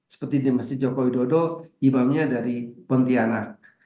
seperti di masjid joko widodo imamnya dari pontianak